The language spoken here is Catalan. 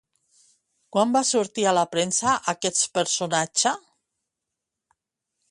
Quan va sortir a la premsa aquest personatge?